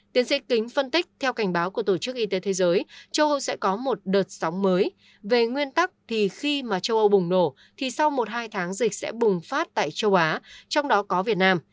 tiến sĩ kính phân tích theo cảnh báo của tổ chức y tế thế giới châu âu sẽ có một đợt sóng mới về nguyên tắc thì khi mà châu âu bùng nổ thì sau một hai tháng dịch sẽ bùng phát tại châu á trong đó có việt nam